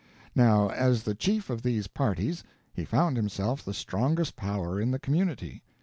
Now, as the chief of these parties, he found himself the strongest power in the community.